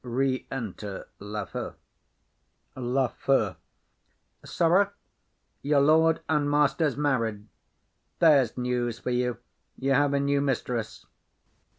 Enter Lafew. LAFEW. Sirrah, your lord and master's married; there's news for you; you have a new mistress.